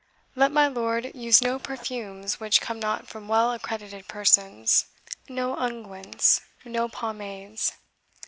Let my lord use no perfumes which come not from well accredited persons; no unguents no pomades.